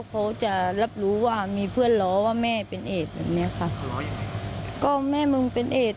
เขาจะรับรู้ว่ามีเพื่อนล้อว่าแม่เป็นเอดแบบเนี้ยค่ะก็แม่มึงเป็นเอด